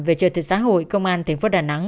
về trợ thị xã hội công an tp đà nẵng